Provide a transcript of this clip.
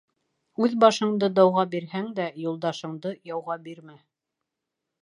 Үҙ башыңды дауға бирһәң дә, Юлдашыңды яуға бирмә.